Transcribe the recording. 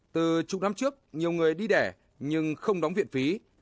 từ chục năm trước nhiều người đi đẻ nhưng không đóng viện phí